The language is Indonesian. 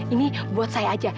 ini buat saya aja